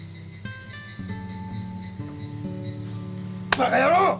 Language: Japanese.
バカ野郎！